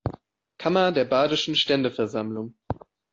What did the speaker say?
Kammer der Badischen Ständeversammlung.